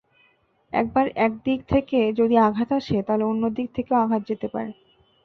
একবার একদিক থেকে যদি আঘাত আসে, তাহলে অন্যদিক থেকেও আঘাত যেতে পারে।